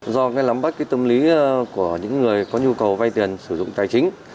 do lắm bách tâm lý của những người có nhu cầu vay tiền sử dụng tài chính